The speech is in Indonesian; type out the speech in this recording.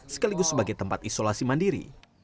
sekaligus sebagai tempat isolasi mandiri